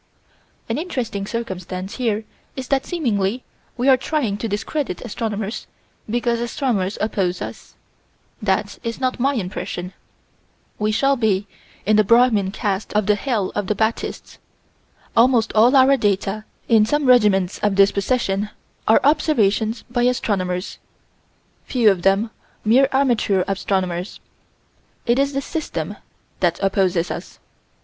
An interesting circumstance here is that seemingly we are trying to discredit astronomers because astronomers oppose us that's not my impression. We shall be in the Brahmin caste of the hell of the Baptists. Almost all our data, in some regiments of this procession, are observations by astronomers, few of them mere amateur astronomers. It is the System that opposes us.